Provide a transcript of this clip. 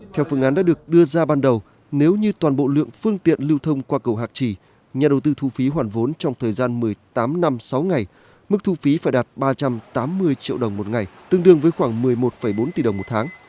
theo phương án đã được đưa ra ban đầu nếu như toàn bộ lượng phương tiện lưu thông qua cầu hạc trì nhà đầu tư thu phí hoàn vốn trong thời gian một mươi tám năm sáu ngày mức thu phí phải đạt ba trăm tám mươi triệu đồng một ngày tương đương với khoảng một mươi một bốn tỷ đồng một tháng